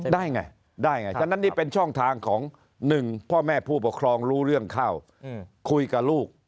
ได้ไงได้ไงฉะนั้นนี่เป็นช่องทางของ๑พ่อแม่ผู้ปกครองรู้เรื่องเข้าคุยกับลูก